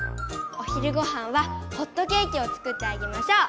お昼ごはんはホットケーキを作ってあげましょう。